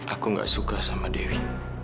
aku gak suka sama dewi